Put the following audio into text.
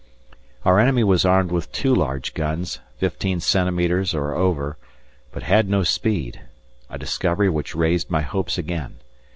Our enemy was armed with two large guns, fifteen centimetres or over, but had no speed, a discovery which raised my hopes again.